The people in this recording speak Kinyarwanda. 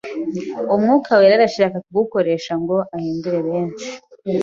Umwuka wera arashaka kugukoresha ngo ahindure benshi